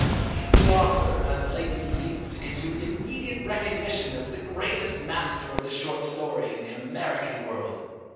_" The author has lately leaped into immediate recognition as the greatest master of the short story in the American World.